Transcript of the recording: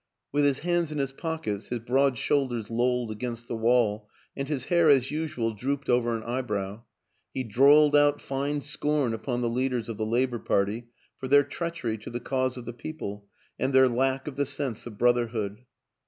With his hands in his pockets, his broad shoulders lolled against the wall and his hair, as usual, drooped over an eyebrow, he drawled out fine scorn upon the leaders of the Labor Party for their treachery to the cause of the People and their lack of the sense of Brother hood.